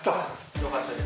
よかったです。